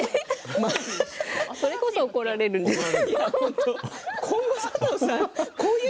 それこそ怒られるんじゃない？